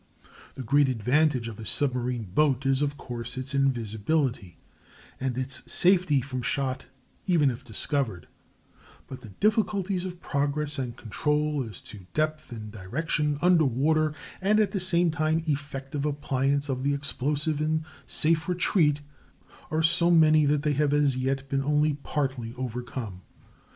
The great advantage of a submarine boat is, of course, its invisibility, and its safety from shot even if discovered; but the difficulties of progress and control as to depth and direction under water, and at the same time effective appliance of the explosive and safe retreat, are so many that they have as yet been only partly overcome.